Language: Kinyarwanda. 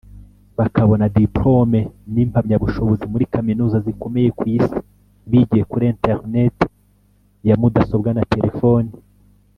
bakabona diplôme n’impamyabushobozi muri Kaminuza zikomeye ku Isi bigiye kuri Internet ya mudasobwa na telefoni